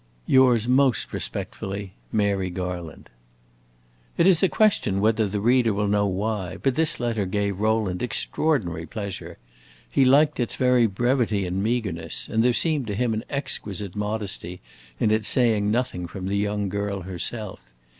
Yours most respectfully, Mary Garland. It is a question whether the reader will know why, but this letter gave Rowland extraordinary pleasure. He liked its very brevity and meagreness, and there seemed to him an exquisite modesty in its saying nothing from the young girl herself.